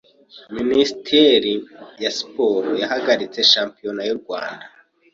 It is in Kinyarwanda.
Minisiteri ya Siporo yahagaritse shampiyona y’u Rwanda..